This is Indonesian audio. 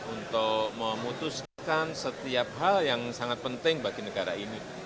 untuk memutuskan setiap hal yang sangat penting bagi negara ini